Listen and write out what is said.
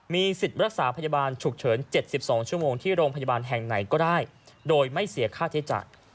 มีสิทธิ์รักษาพยาบาลฉุกเฉิน๗๒ชั่วโมงที่โรงพยาบาลแห่งไหนก็ได้โดยไม่เสียค่าใช้จ่าย